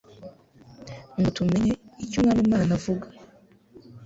ngo tumenye « icyo Umwami Mana ivuga. »